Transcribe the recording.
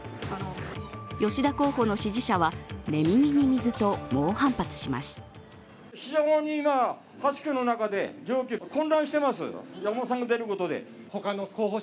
吉田候補の支持者は寝耳に水と猛反発します。